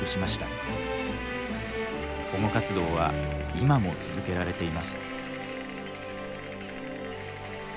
保護活動は今も続けられています。